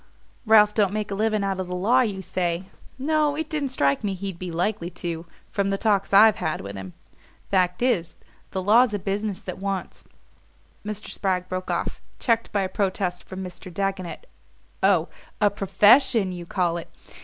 "Ralph don't make a living out of the law, you say? No, it didn't strike me he'd be likely to, from the talks I've had with him. Fact is, the law's a business that wants " Mr. Spragg broke off, checked by a protest from Mr. Dagonet. "Oh, a PROFESSION, you call it?